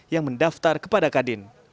yang mendaftar kepada kadin